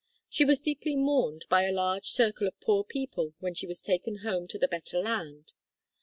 She was deeply mourned by a large circle of poor people when she was taken home to the better land.